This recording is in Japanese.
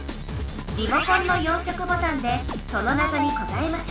リモコンの４色ボタンでそのなぞに答えましょう。